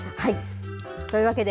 というわけで。